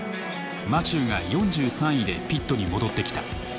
マチューが４３位でピットに戻ってきた。